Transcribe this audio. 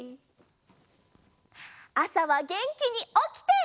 あさはげんきにおきて。